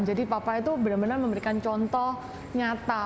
jadi papa itu benar benar memberikan contoh nyata